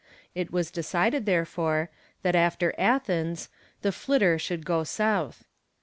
It was decided, therefore, that after Athens, the "Flitter" should go south.